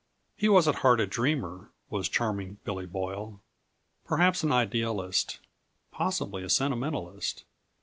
He was at heart a dreamer was Charming Billy Boyle; perhaps an idealist possibly a sentimentalist.